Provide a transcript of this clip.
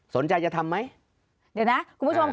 สนใจจะทำไหม